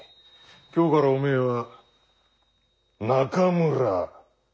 今日からおめえは中村中蔵だ。